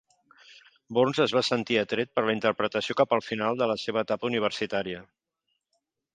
Burns es va sentir atret per la interpretació cap al final de la seva etapa universitària.